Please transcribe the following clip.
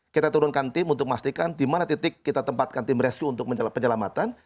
kita turunkan tim untuk memastikan di mana titik kita tempatkan tim rescue untuk penyelamatan